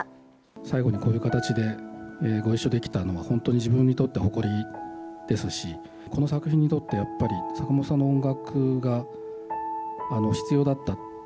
最後にこういう形で、ご一緒できたのは、本当に自分にとって誇りですし、この作品にとって、やっぱり坂本さんの音楽が必要だった。